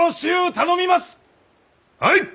はい！